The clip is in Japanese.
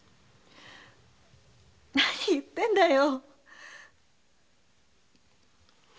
何言ってんだよ。